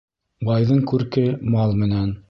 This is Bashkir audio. Байҙың күрке мал менән.